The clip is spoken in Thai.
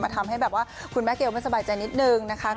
ทำให้แบบว่าคุณแม่เกลไม่สบายใจนิดนึงนะคะ